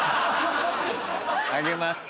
あげます。